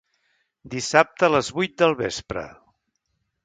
Dissabte a les vuit del vespre.